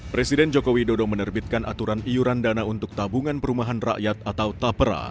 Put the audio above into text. presiden joko widodo menerbitkan aturan iuran dana untuk tabungan perumahan rakyat atau tapera